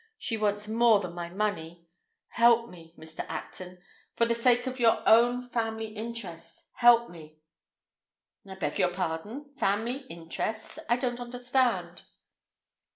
She wants more than my money. Help me, Mr. Acton! For the sake of your own family interests, help me!" "I beg your pardon—family interests? I don't understand."